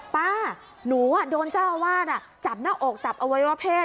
ป้าหนูอ่ะโดนเจ้าวาดอ่ะจับหน้าอกจับเอาไว้ว่าเพศ